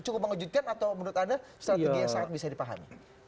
cukup mengejutkan atau menurut anda strategi yang sangat bisa dipahami